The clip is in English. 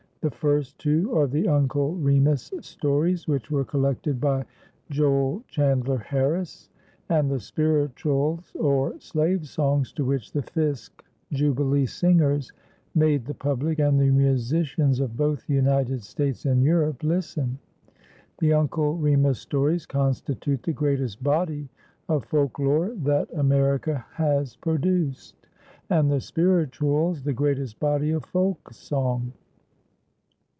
The first two are the Uncle Remus stories, which were collected by Joel Chandler Harris, and the "spirituals" or slave songs, to which the Fisk Jubilee Singers made the public and the musicians of both the United States and Europe listen. The Uncle Remus stories constitute the greatest body of folklore that America has produced, and the "spirituals" the greatest body of folk song.